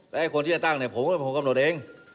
แต่คนที่จะตั้งเนี่ยผมไม่เคยกำหนดเอง